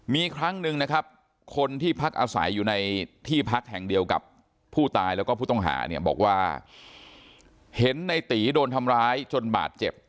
มีครั้งหนึ่งนะครับคนที่พักอาศัยอยู่ในที่พักแห่งเดียวกับผู้ตายแล้วก็ผู้ต้องหาเนี่ยบอกว่าเห็นในตีโดนทำร้ายจนบาดเจ็บ